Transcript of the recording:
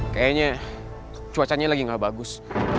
kayaknya cuacanya lagi gak bagus